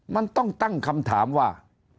มันต้องตั้งคำถามว่า